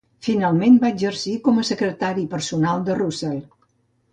Finalment va exercir com a secretari personal de Russell.